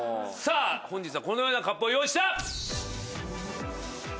さあ本日はこのようなＣＵＰを用意した！